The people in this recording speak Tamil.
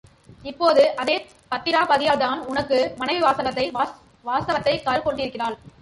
இப்போது அதே பத்திராபதியால்தான் உன் மனைவி வாசவதத்தை கருக் கொண்டிருக்கிறாள்.